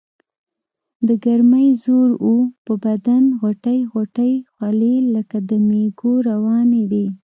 دګرمۍ زور وو پۀ بدن غوټۍ غوټۍ خولې لکه د مېږو روانې وي ـ